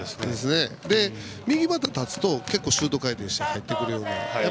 右バッター、立つと結構シュート回転して入ってくるような。